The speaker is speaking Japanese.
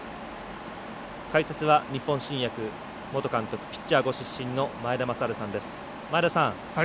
解説は日本新薬元監督ピッチャーご出身の前田正治さんです。